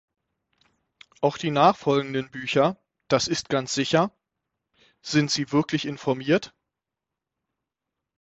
Auch die nachfolgenden Bücher "Das ist ganz sicher", "Sind Sie wirklich informiert?